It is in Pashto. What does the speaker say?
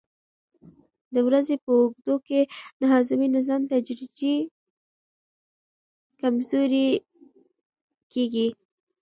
د ورځې په اوږدو کې د هاضمې نظام تدریجي کمزوری کېږي.